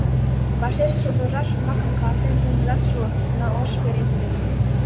Вашешыже торжа шомакым каласен пуымыжат шуо, но ыш пелеште.